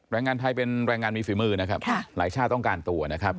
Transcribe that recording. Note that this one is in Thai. แรงงานไทยเป็นแรงงานมีฝีมือนะครับหลายชาติต้องการตัวนะครับ